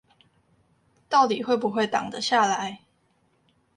到底會不會擋得下來